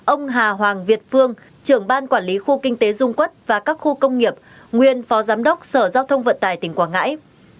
năm ông hà hoàng việt phương trưởng ban quản lý khu kinh tế dung quốc và các khu công nghiệp nguyên phó giám đốc sở giao thông vận tải tỉnh quảng ngãi